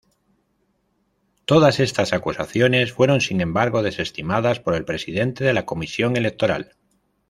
Todas estas acusaciones fueron, sin embargo, desestimadas por el Presidente de la Comisión Electoral.